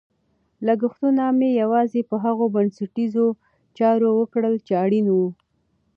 لګښتونه مې یوازې په هغو بنسټیزو چارو وکړل چې اړین وو.